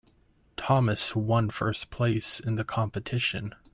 Thomas one first place in the competition.